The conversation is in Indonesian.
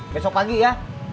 besok pagi ya